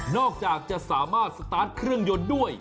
อกจากจะสามารถสตาร์ทเครื่องยนต์ด้วย